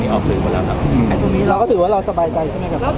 เราก็ถือว่าเราสบายใจใช่ไหมครับ